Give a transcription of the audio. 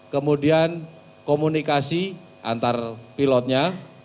kemudian komunikasi antar pilotnya